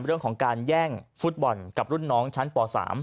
เรื่องของการแย่งฟุตบอลกับรุ่นน้องชั้นป๓